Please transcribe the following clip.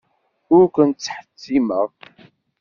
Ur ken-ttḥettimeɣ.